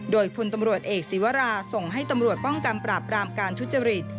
โดยพลตำรวจเอกศีวราส่งให้ตำรวจป้องกันปราบรามการทุจริต